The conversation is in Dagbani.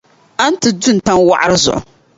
A ni ti du n-tam wɔɣiri zuɣu.